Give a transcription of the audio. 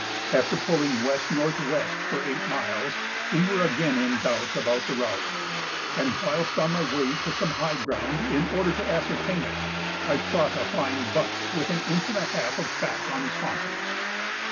After pulling W.N.W. for eight miles, we were again in doubt about the route, and whilst on my way to some high ground in order to ascertain it, I shot a fine buck with an inch and a half of fat on his haunches.